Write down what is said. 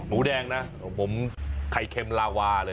หมูแดงนะผมไข่เค็มลาวาเลย